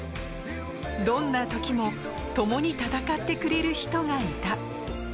どんな時も共に戦ってくれる人がいた。